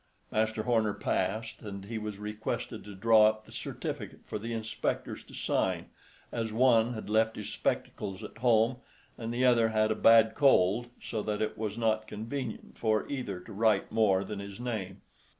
Master Horner passed, and he was requested to draw up the certificate for the inspectors to sign, as one had left his spectacles at home, and the other had a bad cold, so that it was not convenient for either to write more than his name.